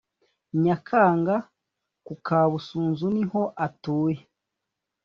Nyakanga ku Kabusunzu niho atuye